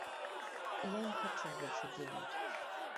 Я не хачу больш удзельнічаць.